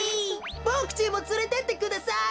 ボクちんもつれてってください。